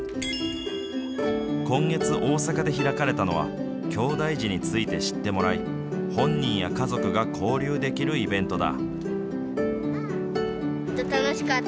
今月、大阪で開かれたのはきょうだい児について知ってもらい本人や家族が交流できるイベントだ。